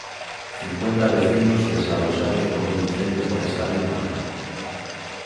Cincuenta veciños desaloxados por un incendio forestal en Málaga.